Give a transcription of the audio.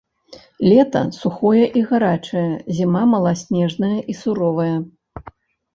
Лета сухое і гарачае, зіма маласнежная і суровая.